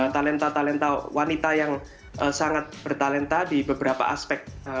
talenta talenta wanita yang sangat bertalenta di beberapa aspek